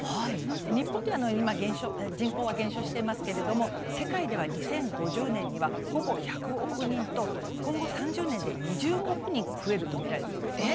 日本では、今人口は減少していますけれども世界では２０５０年には、ほぼ１００億人と今後３０年で２０億人増えると見られているんです。